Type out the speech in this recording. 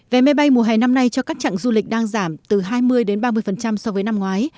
vé máy bay mùa hè năm nay cho các trạng du lịch đang giảm từ hai mươi đến ba mươi so với năm ngoái